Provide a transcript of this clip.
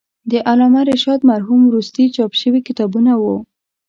د علامه رشاد مرحوم وروستي چاپ شوي کتابونه و.